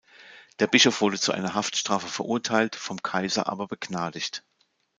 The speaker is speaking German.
Der Bischof wurde zu einer Haftstrafe verurteilt, vom Kaiser aber begnadigt.